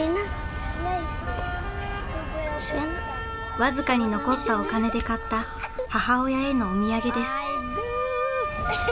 僅かに残ったお金で買った母親へのお土産です。